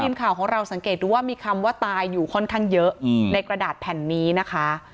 ทีมข่าวของเราสังเกตดูว่ามีคำว่าตายอยู่ค่อนข้างเยอะในกระดาษแผ่นนี้นะคะ